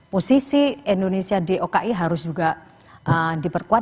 posisi indonesia di oki harus juga diperkuat